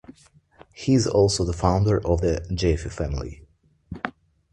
He is also the founder of the Jaffe family.